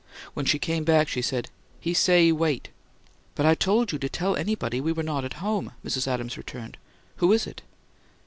When she came back she said: "He say he wait." "But I told you to tell anybody we were not at home," Mrs Adams returned. "Who is it?"